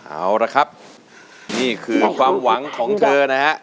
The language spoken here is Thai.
เอาละครับนี่คือความหวังของเธอนะฮะ